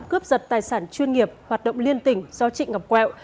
cướp giật tài sản chuyên nghiệp hoạt động liên tỉnh do trịnh ngọc quẹo